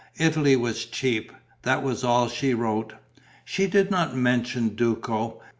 Italy was cheap. That was all she wrote. She did not mention Duco.